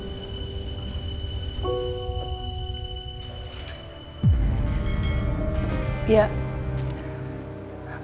aku mau pergi